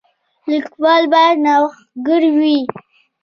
لیکوال باید نوښتګر وي.